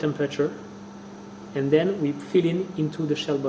dan kita menampung ke dalam tubuh kabel